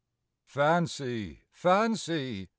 Fancy ! Fancy !